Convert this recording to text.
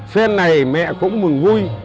phen này mẹ cũng mừng vui